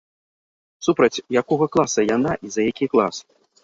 Супраць якога класа яна і за які клас.